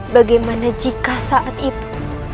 bagaimana jika saat itu